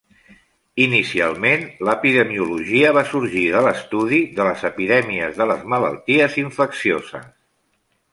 Inicialment l'epidemiologia va sorgir de l'estudi de les epidèmies de les malalties infeccioses.